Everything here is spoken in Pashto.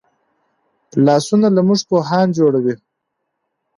لاسونه له موږ پوهان جوړوي